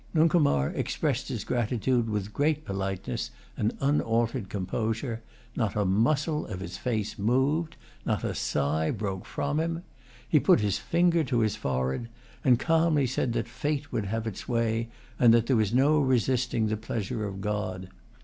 Nuncomar expressed his gratitude with great politeness and unaltered composure. Not a muscle of his face moved. Not a sigh broke from him. He put his finger to his forehead, and calmly said that fate would have its way, and that there was no resisting the pleasure of God.